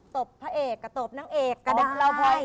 ตบพระเอกกับตบนางเอกก็ได้